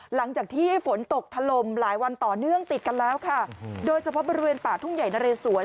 หลังจากที่ฝนตกถล่มหลายวันต่อเนื่องติดกันแล้วค่ะโดยเฉพาะบริเวณป่าทุ่งใหญ่นะเรสวน